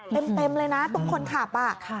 เต็มเลยนะตรงคนขับ